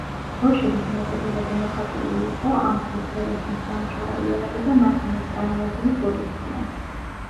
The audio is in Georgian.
დროშების უმეტესობაზე მოხატული იყო ამქრის ხელოსნის სამუშაო იარაღი და მათ მიერ წარმოებული პროდუქცია.